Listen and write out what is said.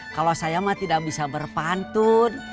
kalau saya mah tidak bisa berpantun